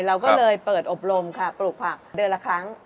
เราก็เลยเปิดอบรมค่ะปลูกผักเดือนละครั้ง